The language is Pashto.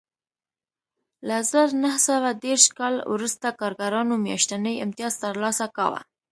له زر نه سوه دېرش کال وروسته کارګرانو میاشتنی امتیاز ترلاسه کاوه